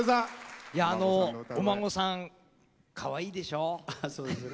お孫さん、かわいいでしょ。